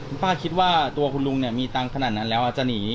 คุณป้าคิดว่าตัวคุณลุงเนี่ยมีตังค์ขนาดนั้นแล้วอาจจะหนี